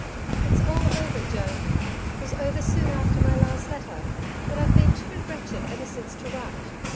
'It's all over, Joan was over soon after my last letter, but I've been too wretched ever since to write.